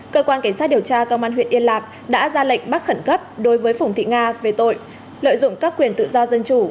cơ quan cảnh sát điều tra công an huyện yên lạc đã ra lệnh bắt khẩn cấp đối với phùng thị nga về tội lợi dụng các quyền tự do dân chủ